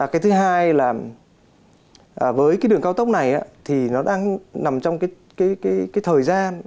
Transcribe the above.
cái thứ hai là với cái đường cao tốc này thì nó đang nằm trong cái thời gian